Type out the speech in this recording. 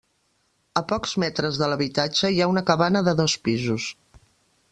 A pocs metres de l'habitatge hi ha una cabana de dos pisos.